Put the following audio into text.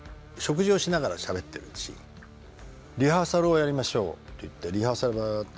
リハーサルをやりましょうって言ってリハーサルバーッて。